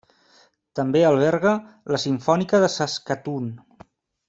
També alberga la Simfònica de Saskatoon.